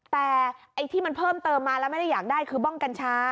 แต่ไอ้ที่มันเพิ่มเติมมาแล้วไม่ได้อยากได้คือบ้องกัญชา